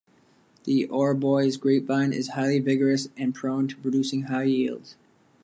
The Arbois grapevine is highly vigorous and prone to producing high yields.